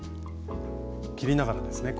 切りながらですねここ。